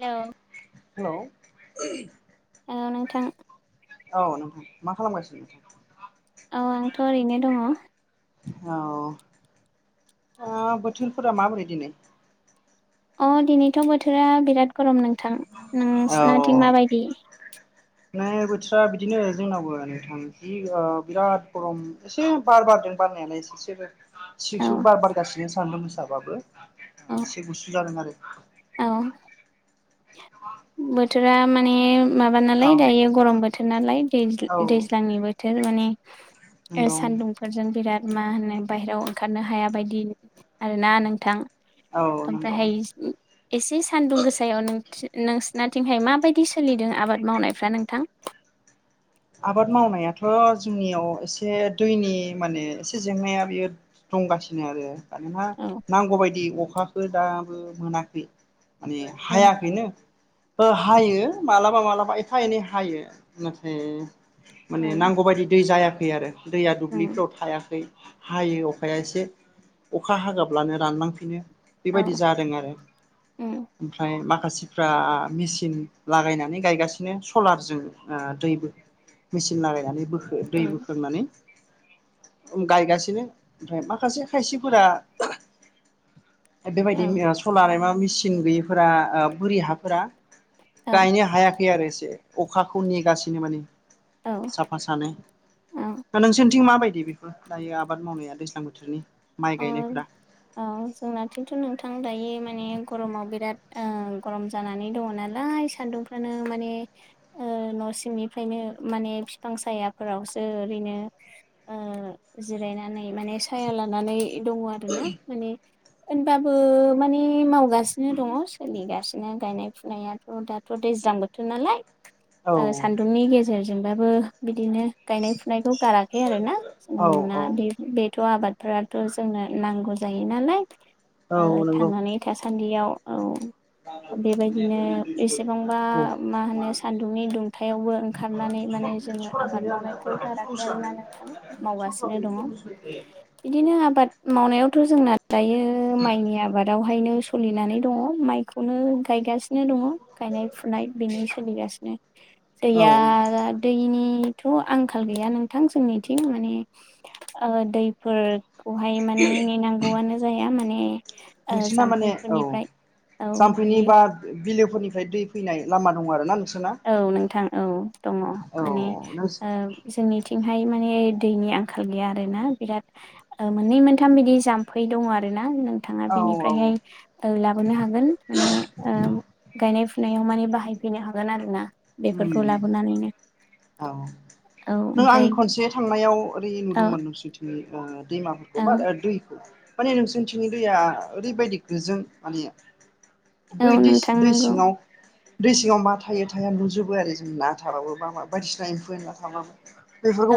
Hello hello. औ नोंथां औ नोंथां मा खालाम गासिनो। औ आंथ' ओरैनो दङ। औ बोथोरफोरा माबोरै दिनै। अ दिनैथ' बोथोरा बिराद गरम नोंथां औ नोंसिनाथिं माबायदि। नै बोथोरा बिदिनो जोंनावबो नोंथां जि ओ बिराद गरम। एसे बार बारदों बारनायालाय एसे सेबो औ सिव सिव बार बारगासिनो सानदुं गोसाबाबो औ एसे गुसु जादों आरो औ बोथोरा माने माबा नालाय दायो गरम बोथोर नालाय। औ दैज्लांनि बोथोर माने नंगौ सानदुं, फोरजों बिराद मा होनो बाहेरायाव ओंखारनो हाया बायदि आरोना नोंथां। औ नंगौ ओमफ्रायहाय एसे सानदुं गोसायाव नो, नोंसोरनाथिंहाय माबायदि सोलिदों आबाद मावनायफ्रा नोंथां। आबाद मावनायाथ' जोंनियाव एसे दैनि माने एसे जेंनाया बेयो दंगासिनो आरो मानोना औ नांगौबायदि अखााखो दाबो मोनाखै। माने औ हायाखैनो। ओ हायो मालाबा मालाबा एफा एनै हायो। नाथाय माने उम नांगौबायायदि दै जायाखै आरो दैया उम दुब्लिफ्राव थायाखै। हायो अखाया एसे अखा हागाब्लानो रानलांफिनो। औ बेबायदि जादों आरो। उम ओमफ्राय माखासेफ्रा मेसिन लागायनानै गायगासिनो सलारजों। ओ दै बोखो मेचिन लागायनानै बोखो दै उम बोखांनानै गायगासिनो ओमफ्राय माखासे खायसेफोरा बेबायदि औ ओ सलार मा मेसिन गैयिफोरा ओ बोरि हाफोरा औ गायनो हायाखै आरो एसे अखाखौ नेगासिनो माने। औ साफा सानै। औ दा नोंसोरनिथिं माबायदि बेफोर दायो आबाद मावनाया दैज्लां बोथोरनि माइ अ गायनायफोरा? औ जोंनाथिंथ' नोंथां दायो माने गरमाव बिराद गरम ओ जानानै दंङ नालाय। सान्दुंफ्रानो माने ओ न' सिंनिफ्रायनो माने बिफां सायाफोरावसो ओरैनो ओ जिरायनानै माने साया लानानै दंङ आरोना माने होनबाबो माने मावगासिनो दंङ सोलिगासिनो गायनाय फुनायाथ' दा। थ' दैज्लां बोथोर नालाय। औ ओ सान्दुंनि गेजेरजोंबाबो बिदिनो गायनाय फुनायखौ गाराखै आरोना औ जोंना औ बे बेथ' आबादफोरा थ' जोंनो नांगौ जायो नालाय। औ थांनानै थासान्दियाव औ। बेबायदिनो एसेबांबा औ मा होनो सान्दुंनि दुंथा हुखायावबो ओंखारनानै माने जोंङो आबाद मावनायखौ गाराखै आरोना नोंथां मावगासिनो दंङो। ए। बिदिनो आबाद मावनायावथ' जोंना दायो माइनि आबादावहायनो सलिनानै दंङ माइखौनो गायगासिनो दंङ। गायनाय फुनाय बिनि सोलिगासिनो दैया औ दैनिथ' आंखाल गैया नोंथां जोंनिथिं। माने ओ दैफोर खौहाय माने नेनांगौआनो जाया माने ओ नोंसिना माने औ जाम्फैफोरनिफ्राय औ जामफैनि बियो बा बिलोफोरनिफ्राय दै फैनाय लामा दंङ आरो ना नोंसोरना? औ नोंथां औ दंङ औ माने नोंस ओ जोंनिथिंहाय माने दैनि आंखाल गैया आरोना बिराद ओ मोननै मोनथाम बिदि जाम्फै दङ आरोना नोंथांङा औ औ बिनिफ्रायहाय ओ लाबोनो हागोन। माने ओ गायनाय फुनायाव माने बाहायफैनो हागोन आरोना। उम बेफोरखौ लाबोनानैनो। औ औ नों आं ओमफ्राय खनसे थांनायाव ओरै औ नुदोंमोन नों सुइथि। दैमाफोरखौ औ बा दैइखौ माने नोंसोरनिथिंनि दैया ओरैबायदि गोजों माने औ बै दै सि नोंथां दै नंगौ सिंङाव दै सिंगाव मा थायो थाया नुजोबो आरो जों ना थाबाबो मा मा बायदिसिना एम्फौ एनला थाबाबो।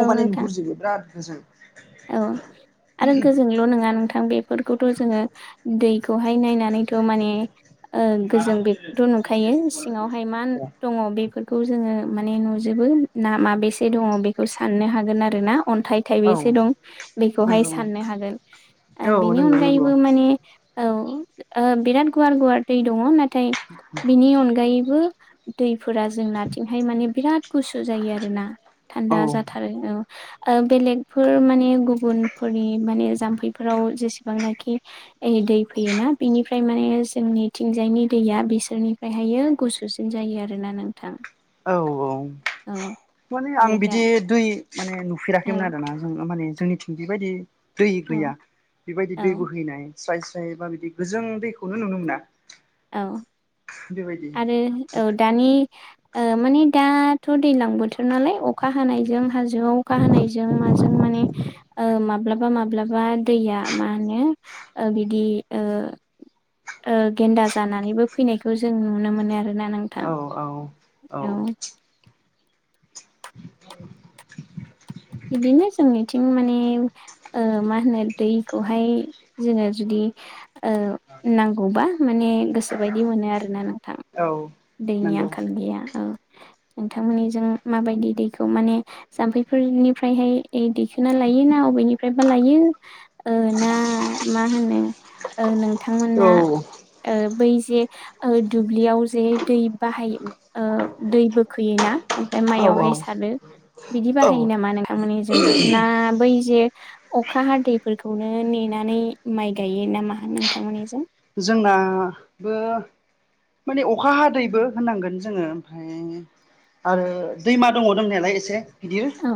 औ माने नोंथां नुहुरजोबो बिराद गोजोन। औ आरो गोजोंल' नंङा नोंथां बेफोरखौथ' जोंङो दै बेखौहाय नायनानैथ' माने ओ गोजों बेखौथ' नुखायो सिंङावहाय मा दंङ बेफोरखौ जोंङो माने नुजोबो ना माबेसे दंङो बेखौ साननो हागोन आरो। आरोना अन्थाइ थाइबे औ बेसे दं। बेखौहाय नंगौ साननो हागोन ओ औ बेनि नंगौ नंगौ अनगायैबो माने औ ओ बिराद गुवार गुवार दै दङ नाथाय बिनि अनगायैबो दैफोरा जोंनाथिंहाय माने बिराद गुसु जायो आरोना औ थान्दा जाथा। औ ओ बेलेग माने मे गुबुनफोरनि माने जाम्फैफोराव जेसेबांनाखि दै फैयोना बिनिफ्राय माने जोंनिथिंजायनि दैया बिसोरनिफ्रायहायो गुस सुसिन जायो आरोना नोंथां। औ औ औ माने आं दा बिदि दुय माने औ नुफेराखैमोन आर ना जों माने जोंनिथिं बेबायदि। दै गैया औ बेबायदि दै औ बोहैनाय स्राय स्राय बा बिदि गोजों दैखौनो नुनो मोना। औ बेबायदि आरो औ दानि माने दाथ' दैज्लां बोथोर नालाय अखा हानायजों हाजोआव अखा हानायजों माजों माने। माब्लाबा माब्लाबा दैया मा होनो बिदि ओ गेन्दा जानानैबो फैनायखौ जों नुनो मोनो आरोना नों औ औ औ बिदिनो जोंनिथिं माने। मा होनो दैखौहाय जोङो जुदि ओ नांगौबा माने गोसो बायदि मोनो आरोना नों औ दैनि नंगौ आंखाल गैया औ। नोंथांमोननिजों माबायदि दैखौ माने जाम्फैफोरनि ओमफ्रायहाय दिखोना लायोना बबेनिफ्रायबा लायो। ना मा होनो औ नोंथांमोना बै जे दुब्लियाव जे दै बाहायो दै बोखोयोना ओमफ्राय औ औ माइयावहाय सारो बिदि औ बाहायो नामा नोंथांमोननि जोंबो ना बै जे अखा हादैफोरखौनो नेनानै माइ गायो नामा नोंथांमोननिजों। जोंनाबो। माने अखा हादैबो होनांगोन जोङो ओमफाय। आरो दैमा दङ दंनायालाय एसे गिदिर। औ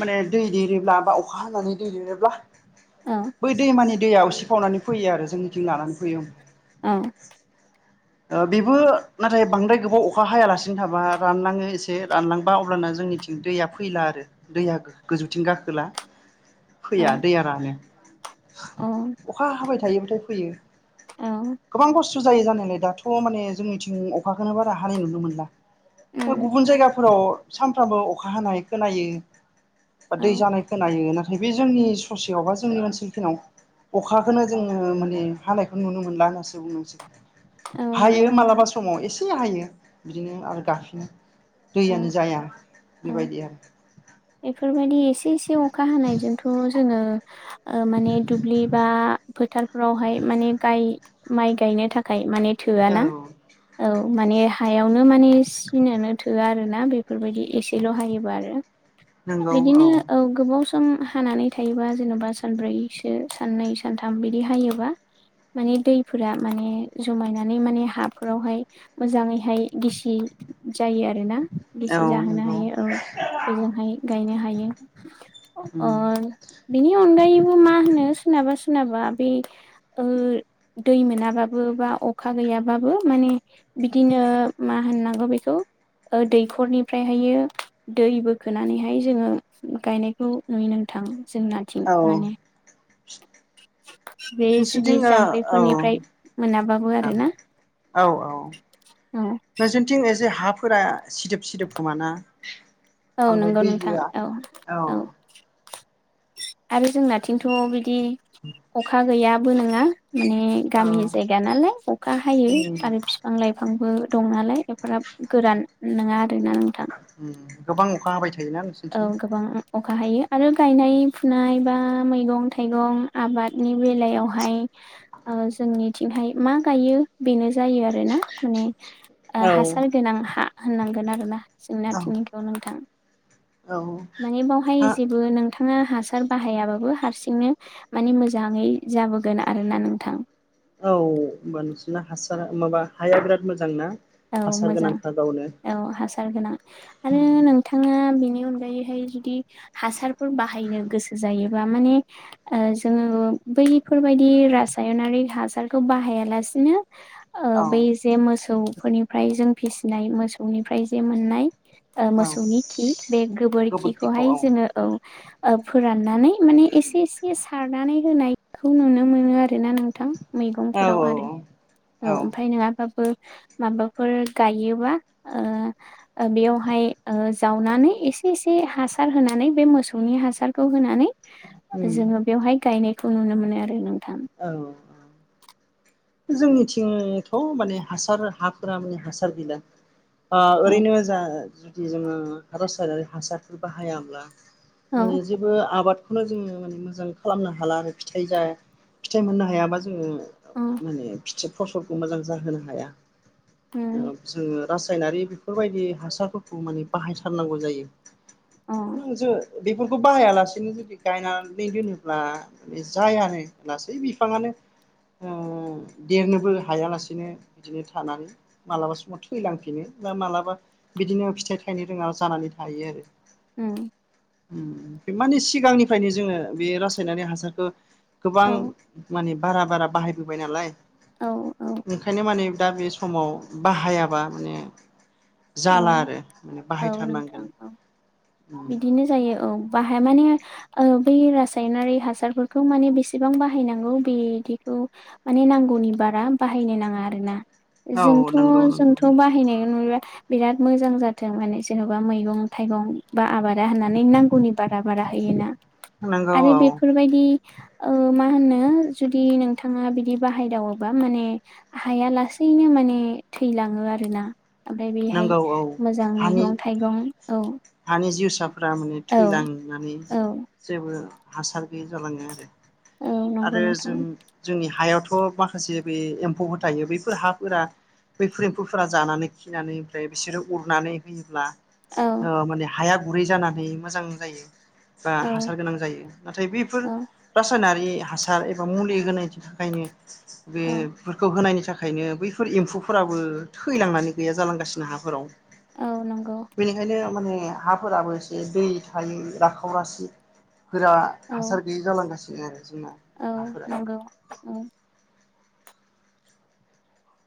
माने दै देरोब्ला बा अखा हानानै दै देरोब्ला। औ बै दैमानि दैया उसि फावनानै फैयो आरो जोंनिथिं लानानै फैयो औ बेबो नाथाय बांद्राय गोबाव अखा हायालासिनो थाबा रानलाङो एसे रानलांबा अब्लाना जोंनिथि दैया फैला आरो दैया गोजौथिं गाखोला औ फैया दैयाानो औ अखा हाबाय थायोब्लाथाय फैयो। औ गोबां खस्थ' जायो जानायलाय दाथ' माने जोंनिथिं अखाखौो बा रा हानाय नुनो मोनला। गुबुन जायगाफोराव सानफ्रामबो अखा हानाय खोनायो। बा दै औ जानाय खोनायो नाथाय बे जोंनि ससेयाव बा जोंनि ओनसोलफोरनाव अखाखौनो जोङो माने हानायखौ नुनो मोनला होननासो बुंनांगोन औ नंगौ हायो नोंथां मालाबा। समाव एसे हायो बिदिनो आरो गफिनो औ दैयानो जाया औ बेबायदि आरो। बेफोरबायदि एसे एसे अखा हानायजोंथ' जोङो माने दुब्लि बा फोथारफ्रावहाय माने गाय माइ गायनो थाखाय माने थोआ औ ना औ माने हायावनो माने सिनानो थोआ आरोना बे बेफोरबायदि एसेल' हायोबा आरो नंगौ औ बिदिनो ओ गोबाव सम हानानै थायोबा जेन'बा सानब्रैसो साननै सानथाम बिदि हायोबा। मान दैफोरा माने जमायनानै माने हाफोरावहाय मोजाङै बेहाय गिसि जायो आरोना औ गिसि जाहोनो नंगौ हायो औ बेजों गायनो हायो अ। उम बिनि अनगायैबो मा होनो सोरनाबा सोरनाबा बे दै मोनाबाबो बा अखा गैयाबाबो माने बिदिनो मा होननांगौ बेखौ दैखरनिफ्रायहायो दैबो खोनानैहाय जोंङो गायनायखौ नुयो नोंथां जोंनाथिं औ माने बे नोंसोरनिथिं जुदि ओ औ औ जाम्फैफोरनिफ्राय मोनाबाबो आरोना औ औ औ नोंसोरनिथिं एसे हाफोरा सिदोब सिदोब खोमाना? औ बाद्राय नंगौ दै नोंथां बोआ औ औ आरो जोंनाथिंथ' बिदि अखा गैयाबो नोङा माने औ गामि जायगा नालाय अखा हायो उम आरो फि फां लाइफांबो दं नालाय एफाग्राब गोरान नङा आरोना नोंथां। उम गोबां अखा हाबाय थायोना नोंसो औ गोबां अखा हायो आरो गायनाय फुनाय बा मैगं थाइगं आबादनि बेलायावहाय ओ जोंनिथिंहाय मा गायो बेनो जायो आरोना माने ओ औ हासार गोनां हा होननांगोन आरोना औ जोंनाथिंनिखौ नोंथां औ माने बेवहाय हा औ जेबो नों थाङा हासार बाहायाबाबो हारसिंनो मानि मोजाङै जाबोगोन आरोना नोंथां। औ होमबा नोंसिना हासार माबा हाया बिराद मोजांना औ हासार मोजां गोनांखा गावनो [unintelligible] गोनां आरो नोंथाङा बिनि अनगायैहाय जु दि हासारफोर बाहायनो गोसो जायोबा माने ओ जोङो बैफोरबायदि रासायनारि हासारखौ बाहायालासिनो ओ औ बै जे मोसौफोरनिफ्राय जों फिसिनाय मोसौनिफ्राय जे मोननाय ओ औ मोसौनि खि बे गोबोरखिखौहाय जोङो औ ओ फोराननानै माने एसे एसे सारनानै होनायखौ नुनो मोनो आरोना नोंथां औ मेगंफोराव औ आरो औ औ ओमफाय नङाबाबो माबाफोर गायोबा ओ ओ बेयावहाय ओ जावनानै एसे एसे हासार होनानै बे मोसौनि हासारखौ होनानै [unintelligible] जोङो बेवहाय गायनायखौ नुनो मोनो आरो नोंथां। औ जोंनिथिंथ' माने हासार हाफोरा माने हासार गैला ओ औ ओरैनो जा जुदि जोङो रासायनारि हासारफोर बाहायाब्ला औ माने जे बो आबादखौनो जोङो माने मोजां खालामनो हाला आरो फिथाइ जा फिथाइ मोननो हायाबा जोङो अ माने फिथि फसलखौ मोजां जाहोनो हाया। उम ओ जोङो रासायनारि बेफोरबायदि हासारफोरखौ माने बाहायथारनांगौ जायो। अ नोंजो बेफोरखौ बाहाया लासेनो जुदि गायनानै दोनोब्ला जायानो लासै बिफाङानो ओ देरनोबो हायालासेनो इदिनो थानानै मालाबा समाव थैलांफिनो बा मालाबा बिदिनो फिथाइ थायनो रोङा जानानै थायो आरो ओम ओम बे मानि सिगांनिफ्रायनो जोङो बे रासायनारि हासारखौ गोबां औ माने बारा बारा बाहायबोबाय नालाय औ औ ओंखायनो माने दा बे समाव बाहायाबा माने जाला औ आरो ओम औ बाहायथारनांगोन ओम नो जायो औ बाहाया माने ओ बै रासायनारि हासारफोरखौ माने बेसेबां बाहायनांगौ बिदिखौ माने नांगौनि बारा बाहायनो नाङा आरो ना औ जोंथ' नंगौ नंगौ जोंथ' बाहायनाय [unintelligible] बिराद मोजां जाथों माने जेनबा मैगं थाइगं बा आबादा होननानै नांगौनि बारा बारा होयोना नंगौ आरो औ बेफोरबायदि ओ मा होनो जुदि नोंथाङा बिदि बाहायदावोबा माने हाया लासैनो माने थैलाङो आरोना ओमफ्राय बे हाय नंगौ औ मोजां हानि मैगं थाइगं औ हानि जिउसाफोरा माने औ थैलांनानै औ जेबो हासार गैयै जालाङो आरो औ नंगौ आरो जों नोंथां जोंनि हायावथ माखासे बे एम्फौफोर थायो बैफोर हाफोरा बैफुर एम्फौफोरा जानानै खिनानै ओमफ्राय बिसोरो उरनानै होयोब्ला औ ओ माने हाया गुरै जानानै मोजां जायो बा औ हासार गोनां जायो नाथाय बेफोर औ रासायनारि हासार एबा मुलि होनायनि थाखायनो औ बेफोरखौ होनायनि थाख ओंखायनो बैफोर एम्फौफोराबो थैलांनानै गैया जालांगासिनो हाफोराव औ नंगौ बेनिखायनो माने हाफोराबो एसे दै थायो राखावरासि गोरा औ हासार गैयि जालांगासिनो आरो जोंना औ हाफोरा नंगौ औ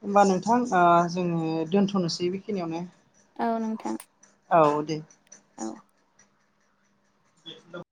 होमबा नोंथां ओ जोङो दोनथनोसै बेखिनियावनो औ नोंथां औ दे औ [inaudible]